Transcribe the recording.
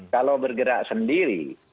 kalau bergerak sendiri